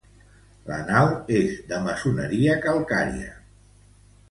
La nau és de maçoneria calcària.